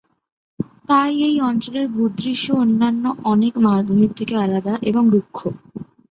তাই এই অঞ্চলের ভূদৃশ্য অন্যান্য অনেক মালভূমির থেকে আলাদা এবং রুক্ষ।